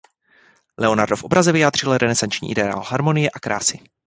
Leonardo v obraze vyjádřil renesanční ideál harmonie a krásy.